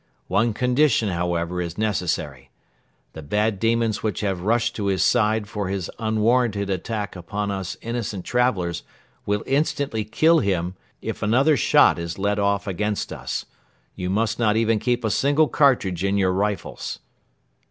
One condition, however, is necessary: the bad demons which have rushed to his side for his unwarranted attack upon us innocent travelers will instantly kill him, if another shot is let off against us. You must not even keep a single cartridge in your rifles."